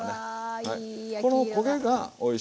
はい。